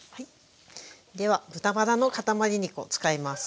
では豚バラの塊肉を使います。